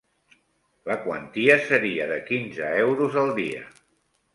La quantia seria de quinze euros al dia.